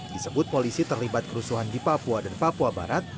disebut polisi terlibat kerusuhan di papua dan papua barat